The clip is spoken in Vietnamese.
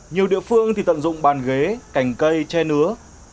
nhiều địa phương thì tận dụng bàn ghế cành cây che nứa